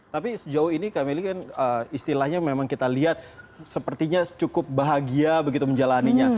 tapi sejauh ini kak meli kan istilahnya memang kita lihat sepertinya cukup bahagia begitu menjalannya